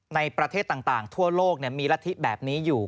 ในประเทศต่างทั่วโลกมีรัฐธิแบบนี้อยู่